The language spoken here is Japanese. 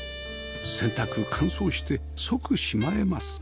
洗濯乾燥して即しまえます